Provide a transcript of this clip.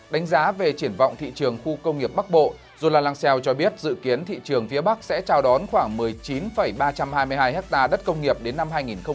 đánh giá về triển vọng thị trường khu công nghiệp bắc bộ zulalansel cho biết dự kiến thị trường phía bắc sẽ chào đón khoảng một mươi chín ba trăm hai mươi hai ha đất công nghiệp đến năm hai nghìn hai mươi